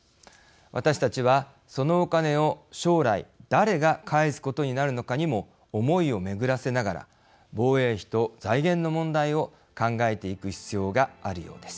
私たちは、そのお金を将来誰が返すことになるのかにも思いを巡らせながら防衛費と財源の問題を考えていく必要があるようです。